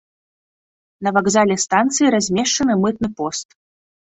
На вакзале станцыі размешчаны мытны пост.